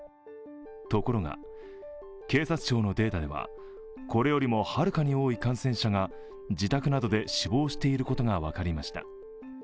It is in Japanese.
ところが、警察庁のデータでは、これよりもはるかに多い感染者が自宅などで死亡していることが分かりました。